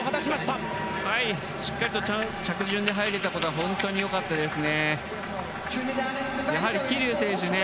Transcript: しっかりと着順で入れたことは本当によかったですね。